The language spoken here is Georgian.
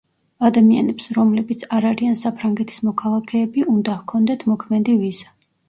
ადამიანებს, რომლებიც არ არიან საფრანგეთის მოქალაქეები, უნდა ჰქონდეთ მოქმედი ვიზა.